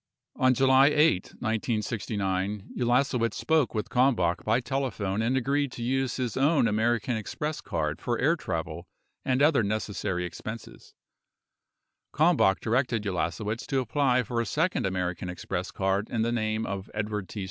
On July 8, 1969, Ulasewicz spoke with Kalmbach by telephone and agreed to use his own American Express card for air travel and other necessary expenses. Kalmbach directed Ulasewicz to apply for a sec ond American Express card in the name of Edward T.